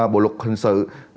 bộ luật hình sự